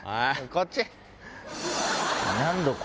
こっち。